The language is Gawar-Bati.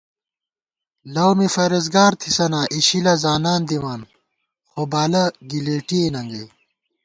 لَؤ می فرېزگار تھِسَنا اِشِلہ زانان دِمان، خو بالہ گِلېٹِئےننگَئ